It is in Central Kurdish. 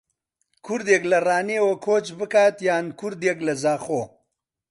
کوردێک لە ڕانیەوە کۆچ بکات یان کوردێک لە زاخۆ